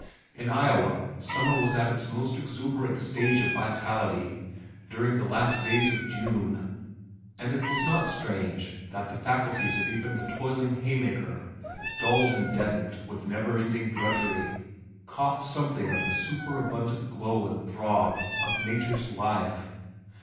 In Iowa, summer was at its most exuberant stage of vitality during the last days of June, and it was not strange that the faculties of even the toiling hay maker, dulled and deadened with never ending drudgery, caught something of the superabundant glow and throb of nature's life.